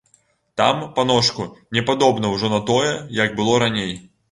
Там, паночку, не падобна ўжо на тое, як было раней.